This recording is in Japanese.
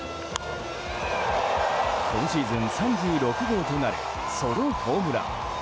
今シーズン３６号となるソロホームラン。